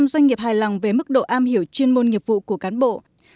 bảy mươi doanh nghiệp hài lòng với mức độ am hiểu chuyên môn nghiệp vụ của cán bộ